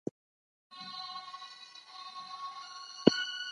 موږ باید د ټولنیز نظام درناوی وکړو.